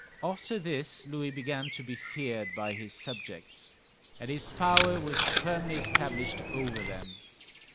After this Louis began to be feared by his subjects, and his power was firmly established over them.